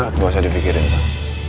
bisa dipikirin pak